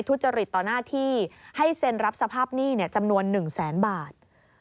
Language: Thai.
ทุจริตต่อหน้าที่ให้เซ็นรับสภาพหนี้จำนวน๑แสนบาท